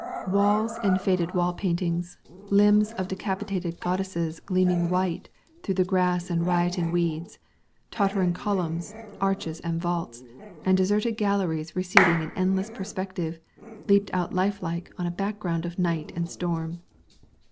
Walls and faded wall paintings, limbs of decapitated goddesses gleaming white through the grass and rioting weeds, tottering columns, arches, and vaults, and deserted galleries receding in endless perspective, leaped out lifelike on a background of night and storm.